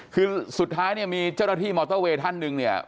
คือสุดท้ายเนี่ยมีเจ้าหน้าที่มอเตอร์เวย์ท่านหนึ่งเนี่ย